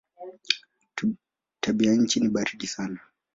Tabianchi ni baridi sana.